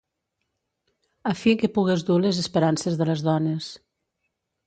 A fi que pugues dur les esperances de les dones.